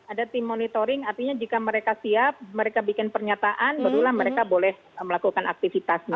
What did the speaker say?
ada tim monitoring artinya jika mereka siap mereka bikin pernyataan barulah mereka boleh melakukan aktivitas